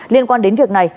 liên quan đến việc này